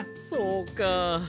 そうか。